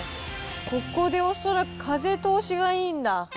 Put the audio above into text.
ここで恐らく風通しがいいんだ。